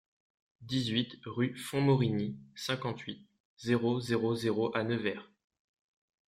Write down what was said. dix-huit rue Fonmorigny, cinquante-huit, zéro zéro zéro à Nevers